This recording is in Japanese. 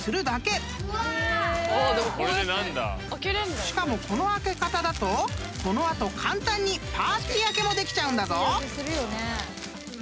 ［しかもこの開け方だとこの後簡単にパーティー開けもできちゃうんだぞ！］